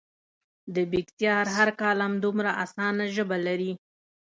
د بېکسیار هر کالم دومره اسانه ژبه لري.